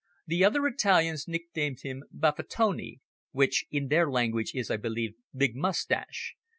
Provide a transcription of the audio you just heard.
The other Italians nicknamed him Baffitone, which in their language is, I believe, Big Moustache.